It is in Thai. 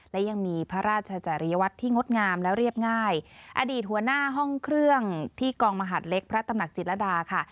และยังมีพระราชจริยวัตรที่งดงามและเรียบง่ายอดีตหัวหน้าห้องเครื่องที่กองมหาดเล็กพระตำหนักจิตรดาค่ะ